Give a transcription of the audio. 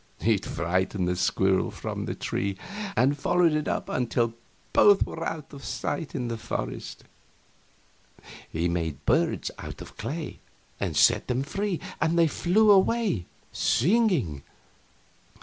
It frightened the squirrel from tree to tree and followed it up until both were out of sight in the forest. He made birds out of clay and set them free, and they flew away, singing.